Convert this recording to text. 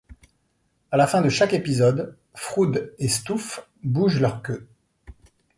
À la fin de chaque épisode, Froud et Stouf bougent leur queue.